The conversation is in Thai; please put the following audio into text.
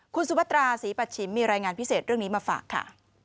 คุณสุพัตราศรีปัชชิมมีรายงานพิเศษเรื่องนี้มาฝากค่ะ